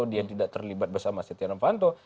dia tidak terlibat bersama setia novanto